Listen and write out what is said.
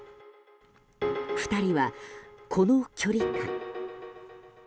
２人は、この距離感。